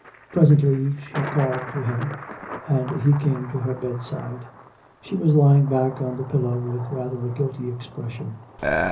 Presently she called to him, and he came to her bedside. She was lying back on the pillow with rather a guilty expression.